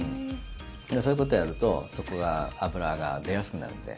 そういうことをやると油が出やすくなるんです。